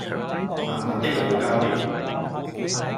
慢慢的有了交疊